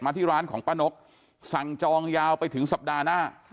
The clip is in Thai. ที่ร้านของป้านกสั่งจองยาวไปถึงสัปดาห์หน้า